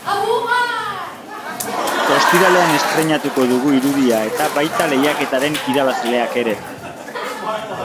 Ostiralean estreinatuko dugu irudia, eta baita lehiaketaren irabazleak ere.